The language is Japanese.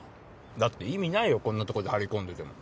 だって意味ないよこんなとこで張り込んでても。